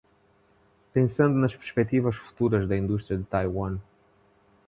Pensando nas perspectivas futuras da indústria de Taiwan